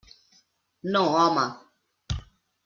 No, home!